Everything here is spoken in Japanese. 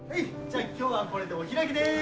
じゃ今日はこれでお開きです。